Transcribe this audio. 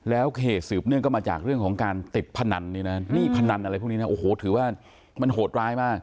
แล้วเหตุสินธุ์สิฟพ์ก็มาจากการติดประนันหนี้ประนันอะไรพวกนี้นะถือว่ามันโหดร้ายมาก